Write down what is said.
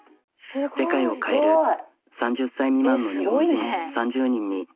世界を変える３０歳未満の日本人３０人に。